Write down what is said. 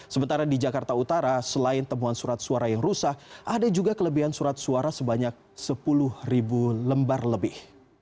sementara di jakarta utara selain temuan surat suara yang rusak ada juga kelebihan surat suara sebanyak sepuluh lembar lebih